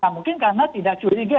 mungkin karena tidak curiga